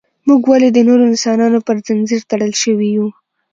موږ ولې د نورو انسانانو پر زنځیر تړل شوي یو.